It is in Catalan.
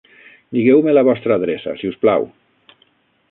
Digueu-me la vostra adreça, si us plau.